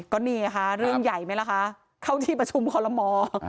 ก็นี่ไงคะเรื่องใหญ่ไหมล่ะคะเข้าที่ประชุมคอลโม